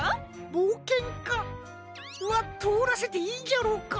ぼうけんかはとおらせていいんじゃろうか？